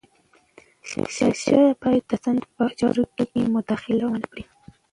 شاه شجاع باید د سند په چارو کي مداخله ونه کړي.